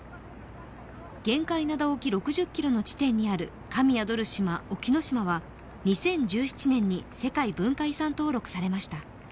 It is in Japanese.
玄海灘沖６０ｋｍの地点にある神宿る島沖ノ島は２０１７年に世界文化遺産登録されました。